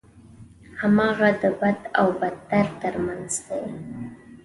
هماغه د بد او بدتر ترمنځ دی.